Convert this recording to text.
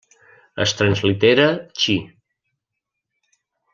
Es translitera chi.